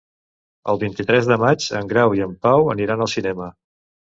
El vint-i-tres de maig en Grau i en Pau aniran al cinema.